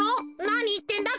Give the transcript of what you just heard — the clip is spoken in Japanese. なにいってんだ？